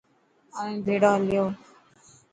اوهين ڀيڙو هليو.